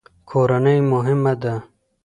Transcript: کورنۍ مهمه ده.